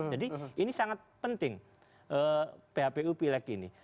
jadi ini sangat penting phpu pileg ini